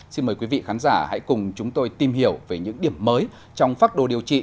xin mời quý vị khán giả hãy cùng chúng tôi tìm hiểu về những điểm mới trong phác đồ điều trị